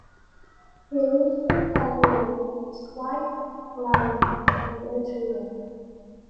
He lives in Baguio with his wife, Gloria, and their children.